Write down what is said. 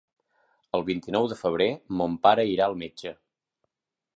El vint-i-nou de febrer mon pare irà al metge.